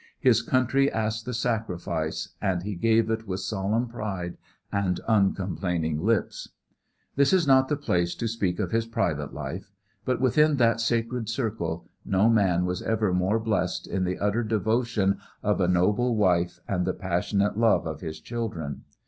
His country asked the sacrifice and he gave it with solemn pride and uncomplaining lips. This is not the place to speak of his private life, but within that sacred circle no man was ever more blessed in the utter devotion of a noble wife and the passionate love of his children.